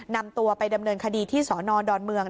นำตัวไปดำเนินคดีที่สนดอนเมือง